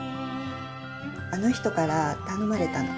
あの人から頼まれたの。